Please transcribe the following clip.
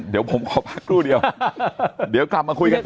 เดี๋ยวผมขอพักครู่เดียวเดี๋ยวกลับมาคุยกันต่อ